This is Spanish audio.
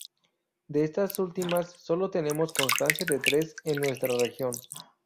De estas últimas solo tenemos constancia de tres en nuestra región.